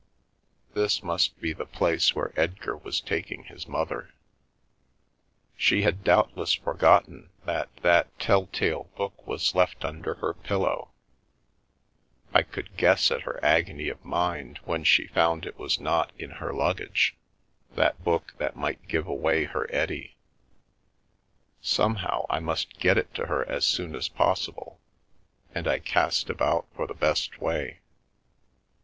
This must be the place where Edgar was taking his mother. She had doubtless forgotten that that tell tale book was left under her pillow — I could guess at her agony of mind when she found it was not in her luggage, that book that might give away her Eddie. Somehow I must get it to her as soon as possible, and I cast about for the best way.